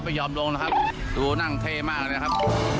ไม่ยอมลงนะครับดูนั่งเท่มากเลยครับ